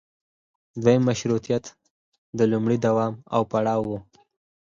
دویم مشروطیت د لومړي دوام او پړاو و.